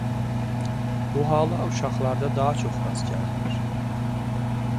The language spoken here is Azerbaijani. Bu hala uşaqlarda daha çox rast gəlinir.